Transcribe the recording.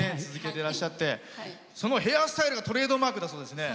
てらっしゃってそのヘアスタイルがトレードマークだそうですね。